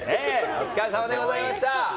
お疲れさまでございました。